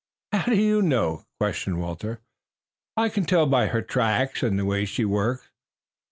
"How do you know?" questioned Walter. "I can tell by her tracks and the way she works.